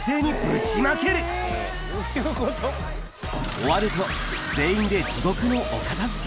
終わると、全員で地獄のお片づけ。